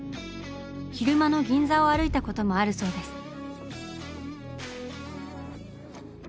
昼間の銀座を歩いたこともあるそうです。